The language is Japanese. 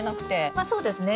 まあそうですね。